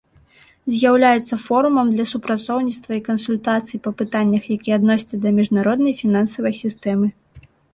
З'яўляецца форумам для супрацоўніцтва і кансультацый па пытаннях, якія адносяцца да міжнароднай фінансавай сістэмы.